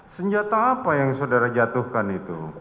senjata apa yang saudara jatuhkan itu